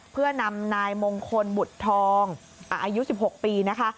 เพื่อนำนายมงคลบุตรทองอายุ๑๖ปีนะคะ